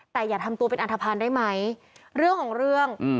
แต่อย่าทำตัวเป็นอันทภัณฑ์ได้ไหมเรื่องของเรื่อง